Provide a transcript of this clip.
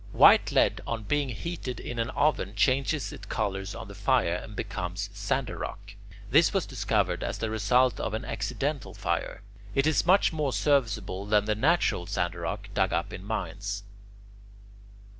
White lead on being heated in an oven changes its colour on the fire, and becomes sandarach. This was discovered as the result of an accidental fire. It is much more serviceable than the natural sandarach dug up in mines.